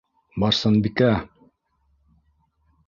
Барсынбикә!